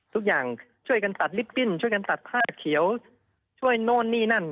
ช่วยกันตัดลิปปิ้นช่วยกันตัดผ้าเขียวช่วยโน่นนี่นั่น